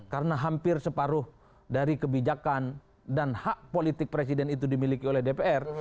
karena hampir separuh dari kebijakan dan hak politik presiden itu dimiliki oleh dpr